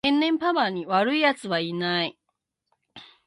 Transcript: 天然パーマに悪い奴はいない